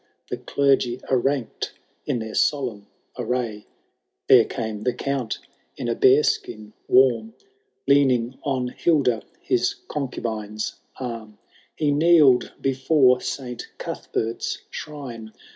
The clei^ are rankM in their Bolemn amy : There came the Count, in a bear skin warm. Leaning on Hilda his concubine^s ann. He kneel'd before Saint Cuthbert's shrine.